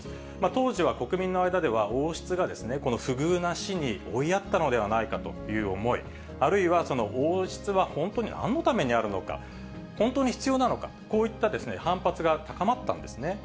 当時は国民の間では、王室がこの不遇な死に追いやったのではないかという思い、あるいは、王室は本当になんのためにあるのか、本当に必要なのか、こういった反発が高まったんですね。